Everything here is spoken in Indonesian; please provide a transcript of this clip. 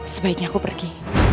sebaiknya aku pergi